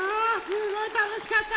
すごいたのしかった！